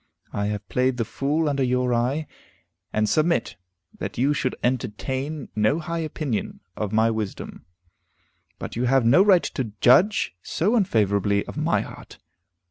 I have played the fool under your eye, and submit that you should entertain no high opinion of my wisdom. But you have no right to judge so unfavorably of my heart.